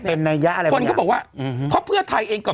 เป็นนัยยะอะไรบางอย่างคนก็บอกว่าเพราะเพื่อไทยเองก่อน